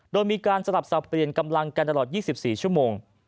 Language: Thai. โดยมีการสลับสับเปลี่ยนกำลังกันตลอด๒๔ชั่วโมง